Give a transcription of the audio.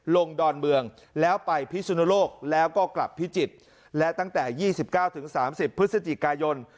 ดอนเมืองแล้วไปพิสุนโลกแล้วก็กลับพิจิตรและตั้งแต่๒๙๓๐พฤศจิกายน